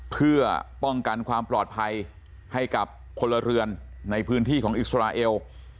เพื่อป้องกันความปลอดภัยให้กับพลเรือนในพื้นที่ของอิสราเอล